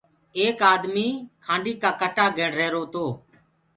ايڪ آدميٚ کآنڊي ڪآ ڪٽآ گِڻ رهيرو تو۔